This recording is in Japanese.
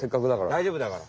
大丈夫だから。